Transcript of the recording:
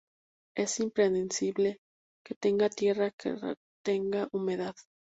Es imprescindible que tenga tierra que retenga humedad.